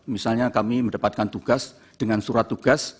misalnya kami mendapatkan tugas dengan surat tugas